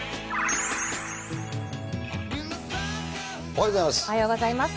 おはようございます。